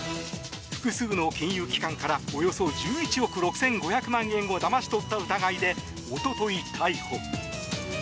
複数の金融機関からおよそ１１億６５００万円をだまし取った疑いでおととい逮捕。